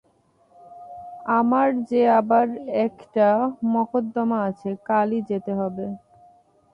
আমার যে আবার একটা মকদ্দমা আছে, কালই যেতে হবে।